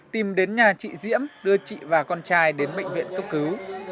tìm đến nhà chị diễm đưa chị và con trai đến bệnh viện cấp cứu